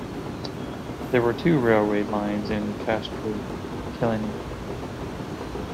There were two railway lines in Kastro-Kyllini.